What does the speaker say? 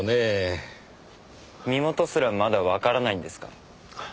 身元すらまだわからないんですか？